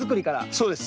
そうです。